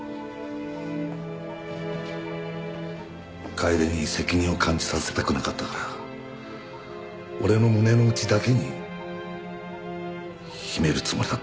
楓に責任を感じさせたくなかったから俺の胸の内だけに秘めるつもりだったんだ。